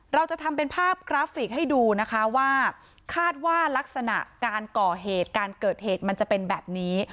เราจะทำเป็นภาพกราฟิกให้ดูนะคะว่าคาดว่าลักษณะการก่อเหตุการเกิดเหตุมันจะเป็นแบบนี้